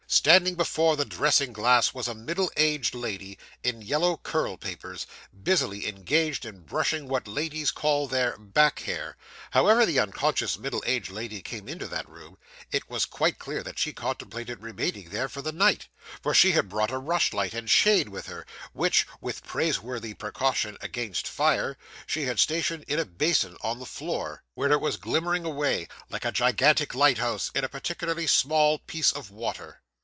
Standing before the dressing glass was a middle aged lady, in yellow curl papers, busily engaged in brushing what ladies call their 'back hair.' However the unconscious middle aged lady came into that room, it was quite clear that she contemplated remaining there for the night; for she had brought a rushlight and shade with her, which, with praiseworthy precaution against fire, she had stationed in a basin on the floor, where it was glimmering away, like a gigantic lighthouse in a particularly small piece of water.